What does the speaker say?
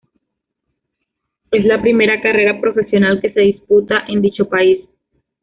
Es la primera carrera profesional que se disputa en dicho país.